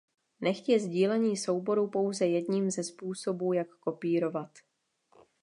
Nechť je sdílení souborů pouze jedním ze způsobů jak kopírovat.